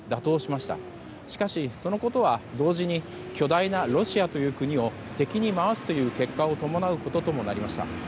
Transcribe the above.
しかし、そのことは同時に巨大なロシアという国を敵に回すという結果を伴うことともなりました。